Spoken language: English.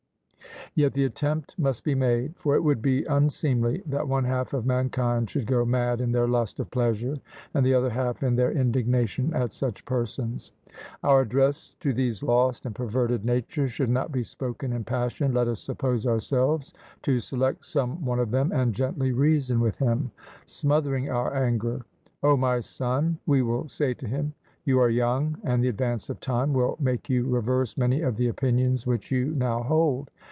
Yet the attempt must be made; for it would be unseemly that one half of mankind should go mad in their lust of pleasure, and the other half in their indignation at such persons. Our address to these lost and perverted natures should not be spoken in passion; let us suppose ourselves to select some one of them, and gently reason with him, smothering our anger: O my son, we will say to him, you are young, and the advance of time will make you reverse many of the opinions which you now hold.